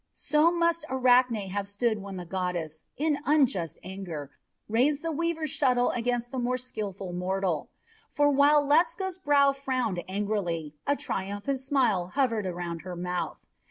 So must Arachne have stood when the goddess, in unjust anger, raised the weaver's shuttle against the more skilful mortal; for while Ledscha's brow frowned angrily, a triumphant smile hovered around her mouth.